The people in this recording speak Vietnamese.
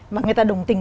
mà người ta đồng tình